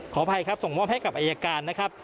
ขออภัยส่งมอบให้กับอายการ